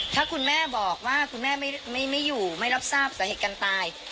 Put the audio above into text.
ถ้าคุณแม่บอกว่าคุณแม่ไม่อยู่ไม่รับทราบสาเหตุการณ์ตาย